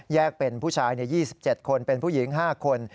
เป็นผู้ชาย๒๗คนเป็นผู้หญิง๕คน